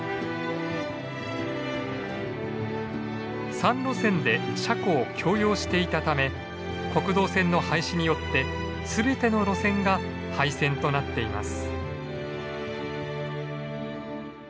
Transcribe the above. ３路線で車庫を共用していたため国道線の廃止によって全ての路線が廃線となっています。